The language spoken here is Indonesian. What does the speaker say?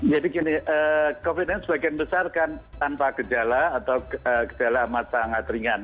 jadi gini covid sembilan belas sebagian besar kan tanpa gejala atau gejala sangat ringan